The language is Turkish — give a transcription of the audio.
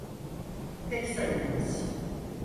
Pek sayıImaz.